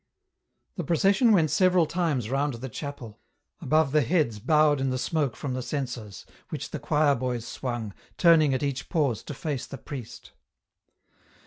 The procession went several times round the chapel, above the heads bowed in the smoke from the censers, which the choir boys swung, turning at each pause to face the priest.